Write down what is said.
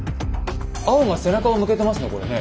青が背中を向けてますねこれね。